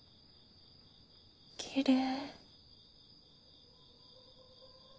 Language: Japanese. きれい。